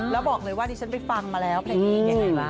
แล้วบอกเลยว่าดิฉันไปฟังมาแล้วเพลงนี้ยังไงบ้าง